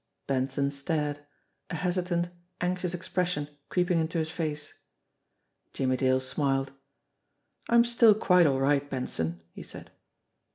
Benson stared, a hesitant, anxious expression creeping into his face. Jimmie Dale smiled. "I'm still quite all right, Benson," he said.